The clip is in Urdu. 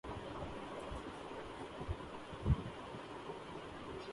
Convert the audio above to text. مولانا ابوالکلام آزاد نے اسی امر کی طرف اشارہ کیا تھا۔